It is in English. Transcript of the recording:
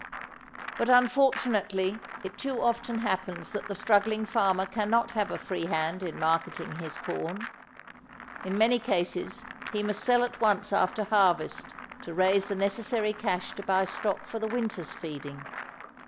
But unfortunately it too often happens that the struggling farmer cannot have a free hand in marketing his corn. In many cases he must sell at once after harvest to raise the necessary cash to buy stock for the winter's feeding.